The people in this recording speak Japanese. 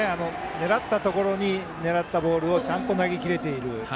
狙ったところに狙ったボールをちゃんと投げ切れている。